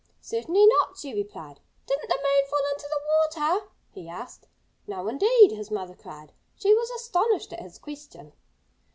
"Certainly not!" she replied. "Didn't the moon fall into the water?" he asked. "No, indeed!" his mother cried. She was astonished at his question.